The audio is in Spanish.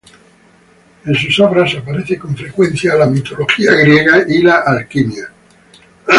En sus obras aparece con frecuencia la mitología griega y la alquimia.